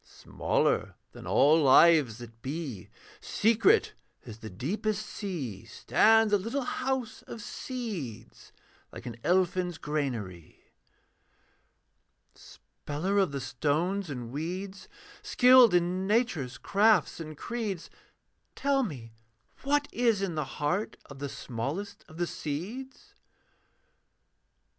'Smaller than all lives that be, Secret as the deepest sea, Stands a little house of seeds, Like an elfin's granary, 'Speller of the stones and weeds, Skilled in Nature's crafts and creeds, Tell me what is in the heart Of the smallest of the seeds.'